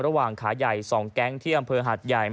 ระหว่างขาใหญ่๒แก๊งที่อำเภอหาดใหญ่